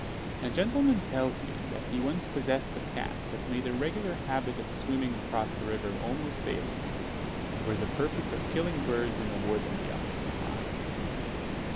A gentleman tells me, that he once possessed a cat that made a regular habit of swimming across the river almost daily, for the purpose of killing birds in a wood on the opposite side.